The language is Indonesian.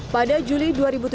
pada juli dua ribu tujuh belas